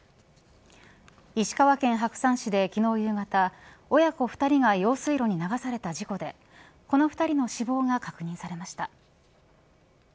石川県白山市で昨日夕方親子２人が用水路に流された事故でこの２人の死亡が確認されました。